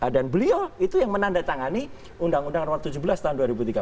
dan beliau itu yang menandatangani undang undang ormas tujuh belas tahun dua ribu tiga belas